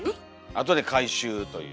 後で回収という。